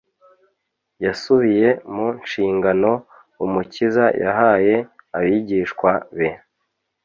Yasubiye mu nshingano Umukiza yahaye abigishwa be